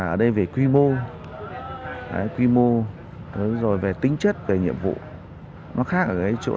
ở đây về quy mô về tính chất về nhiệm vụ nó khác ở chỗ